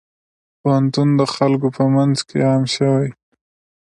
پوهنتون د خلکو په منځ عام شوی.